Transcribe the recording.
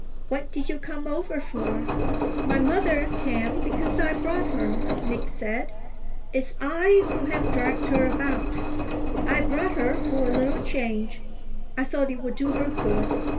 What did you come over for?" "My mother came because I brought her," Nick said. "It's I who have dragged her about. I brought her for a little change. I thought it would do her good.